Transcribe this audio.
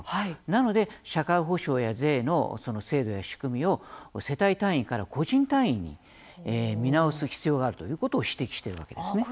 なので社会保障や税の制度や仕組みを世帯単位から個人単位に見直す必要があるということを指摘しているわけですね。